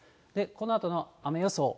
このあとの雨予想。